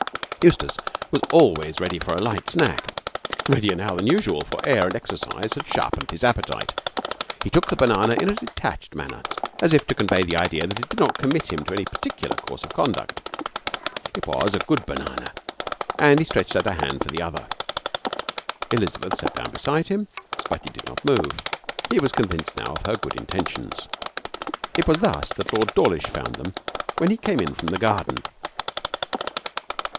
Eustace was always ready for a light snack readier now than usual, for air and exercise had sharpened his appetite. He took the banana in a detached manner, as it to convey the idea that it did not commit him to any particular course of conduct. It was a good banana, and he stretched out a hand for the other. Elizabeth sat down beside him, but he did not move. He was convinced now of her good intentions. It was thus that Lord Dawlish found them when he came in from the garden.